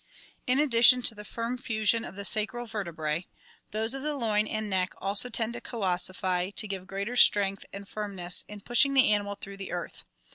In addition to the firm fusion of the sacral vertebra, those of the loin and neck also tend to coossify to give greater strength and firmness in pushing the animal through the earth.